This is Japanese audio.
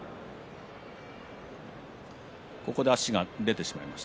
足が出てしまいました。